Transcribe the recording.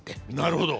なるほど。